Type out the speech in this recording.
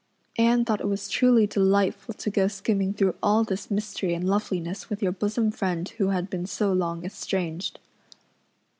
Anne thought it was truly delightful to go skimming through all this mystery and loveliness with your bosom friend who had been so long estranged.